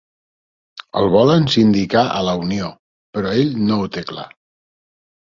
El volen sindicar a la Unió, però ell no ho té clar.